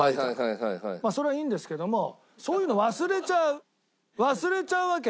それはいいんですけどもそういうのを忘れちゃう忘れちゃうわけ。